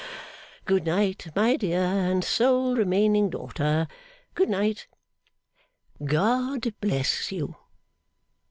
Good night, my dear and sole remaining daughter. Good night. God bless you!